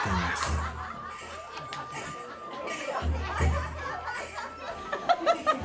アハハハハ。